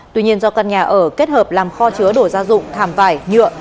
tuy nhiên do căn nhà ở kết hợp làm kho chứa đổ gia dụng thảm vải nhựa